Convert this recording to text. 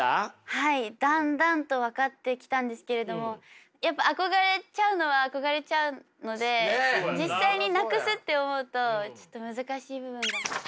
はいだんだんと分かってきたんですけれどもやっぱ憧れちゃうのは憧れちゃうので実際になくすって思うとちょっと難しい部分が。